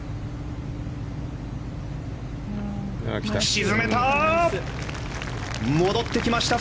沈めた！